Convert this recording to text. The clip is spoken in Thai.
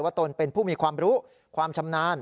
ตนเป็นผู้มีความรู้ความชำนาญ